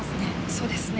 そうですね。